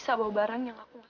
sampai jumpa di video selanjutnya